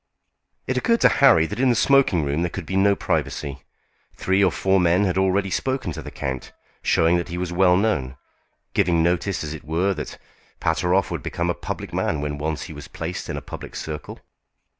It occurred to Harry that in the smoking room there could be no privacy. Three or four men had already spoken to the count, showing that he was well known, giving notice, as it were, that Pateroff would become a public man when once he was placed in a public circle.